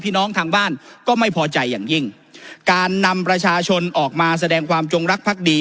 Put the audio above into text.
น้องทางบ้านก็ไม่พอใจอย่างยิ่งการนำประชาชนออกมาแสดงความจงรักภักดี